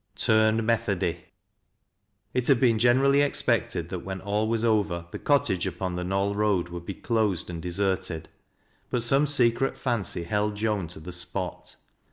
" TtTENED MBTHODT I " It had been generally expected that when all was cvei Hie cottage upon the Knoll Road would be closed and deserted, but some secret fancy held Joan to the spot.